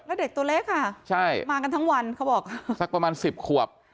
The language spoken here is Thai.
แล้วเด็กตัวเล็กค่ะใช่มากันทั้งวันเขาบอกสักประมาณสิบขวบ